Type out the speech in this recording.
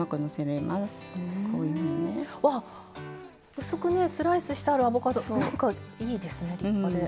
わあ薄くねスライスしたらアボカドなんかいいですね立派で。